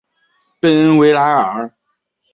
贝恩维莱尔。